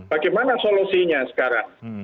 bagaimana solusinya sekarang